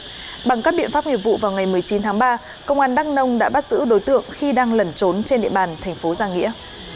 và bằng các biện pháp nghiệp vụ vào ngày một mươi chín tháng ba công an đắk nông đã bắt giữ đối tượng khi đang lẩn trốn trên địa bàn thành phố giang nghĩa